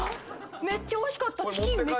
めっちゃおいしかった。